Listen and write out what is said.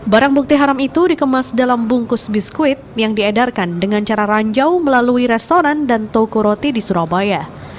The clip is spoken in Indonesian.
barang bukti haram itu dikemas dalam bungkus biskuit yang diedarkan dengan cara ranjau melalui restoran dan toko roti di surabaya